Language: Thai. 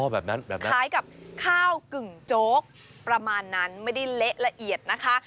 แบบนั้นแบบนี้คล้ายกับข้าวกึ่งโจ๊กประมาณนั้นไม่ได้เละละเอียดนะคะ